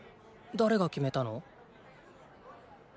だれが決めたの。